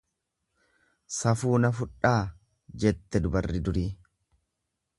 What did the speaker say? Safuu nafudhaa jette dubarri durii.